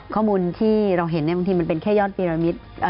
ข้อมูลที่เราเห็นบางทีมันเป็นแค่ยอดปีละมิตร